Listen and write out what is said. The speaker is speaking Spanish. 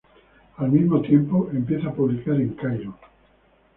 Al mismo tiempo, empieza a publicar en "Cairo".